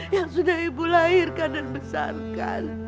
yang sudah ibu lahirkan dan besarkan